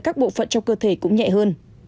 các bộ phận trong cơ thể cũng nhẹ hơn